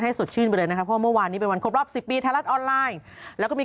แต่เขาบอกมาแล้ว